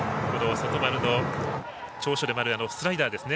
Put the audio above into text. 外丸の長所でもあるスライダーですね。